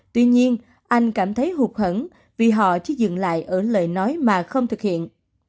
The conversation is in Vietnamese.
tuy nhiên anh cảm thấy hụt hẫn vì họ chỉ dừng lại ở lời nói mà không thực hiện